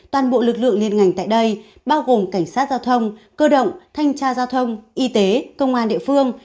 toàn bộ lực lượng liên ngành tại đây bao gồm cảnh sát giao thông cơ động thanh tra giao thông y tế công an địa phương